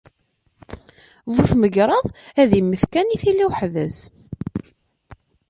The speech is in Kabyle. Bu tmegraḍ ad yemmet kan i tili weḥd-s.